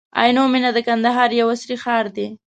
عینو مېنه د کندهار یو عصري ښار دی.